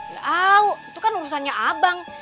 ya tau itu kan urusannya abang